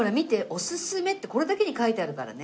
「オススメ」ってこれだけに書いてあるからね。